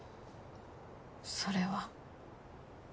それは。